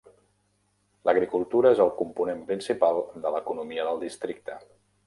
L'agricultura és el component principal de l'economia del districte.